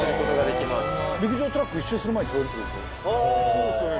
そうですよね